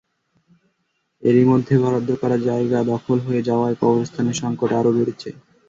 এরই মধ্যে বরাদ্দ করা জায়গা দখল হয়ে যাওয়ায় কবরস্থানের সংকট আরও বেড়েছে।